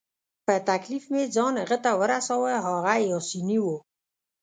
په تکلیف مې ځان هغه ته ورساوه، هغه پاسیني وو.